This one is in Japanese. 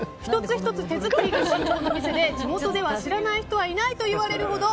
１つ１つ手作りの製麺で、地元では知らない人はいないといわれるほど